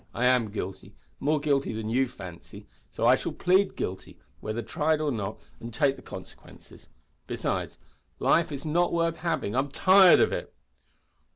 I am guilty more guilty than you fancy so I shall plead guilty, whether tried or not, and take the consequences. Besides, life is not worth having. I'm tired of it!"